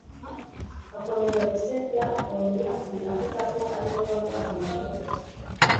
akomeza gusebya oniyasi, avuga ko ari we warwanyije